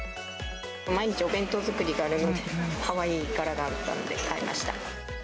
毎日お弁当作りがあるので、かわいい柄があったので買いました。